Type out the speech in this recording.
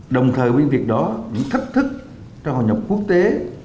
đồng thời với những việc đó những thách thức trong hội nhập quốc tế